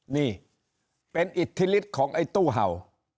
นี่เป็นอิทธิฤทธิ์ของไอ้ตู้เห่า